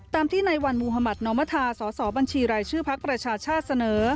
ตามที่นายวันมุฮมัธนมธาสสบัญชีรายชื่อภักดิ์ประชาชาเสนอ